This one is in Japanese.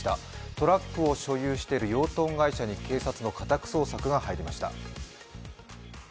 トラックを所有している養豚会社に警察の家宅捜索が入りました。